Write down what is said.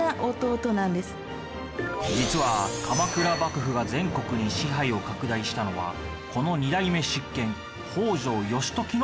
実は鎌倉幕府が全国に支配を拡大したのはこの２代目執権北条義時の頃なんじゃ。